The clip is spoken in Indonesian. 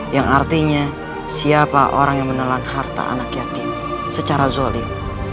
yang artinya siapa orang yang menelan harta anak yatim secara zolim